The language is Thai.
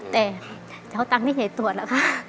แต่จะเอาตังค์ที่ไหนตรวจแล้วค่ะ